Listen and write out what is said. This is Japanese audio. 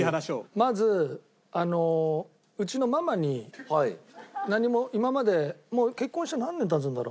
まずあのうちのママに何も今まで結婚して何年経つんだろう？